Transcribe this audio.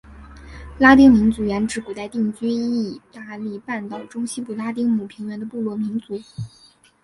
拉丁民族原指古代定居义大利半岛中西部拉丁姆平原的部落民族。